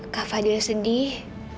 kak fadil sedih